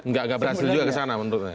enggak berhasil juga kesana menurut saya